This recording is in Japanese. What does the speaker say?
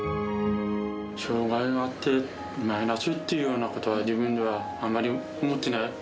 障がいがあってマイナスっていうようなことは自分ではあまり思ってない。